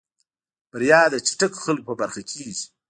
بريا د چټکو خلکو په برخه کېږي.